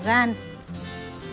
thực phẩm cay nóng